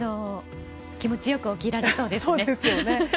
気持ちよく起きられそうですね。